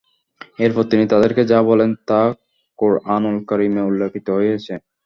এরপর তিনি তাদেরকে যা বললেন, তা কুরআনুল করীমে উল্লেখিত হয়েছে।